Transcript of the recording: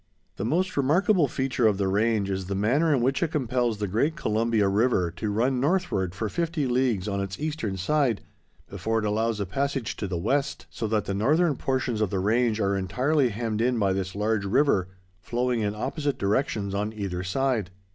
The most remarkable feature of the range is the manner in which it compels the great Columbia River to run northward for fifty leagues on its eastern side, before it allows a passage to the west, so that the northern portions of the range are entirely hemmed in by this large river, flowing in opposite directions on either side.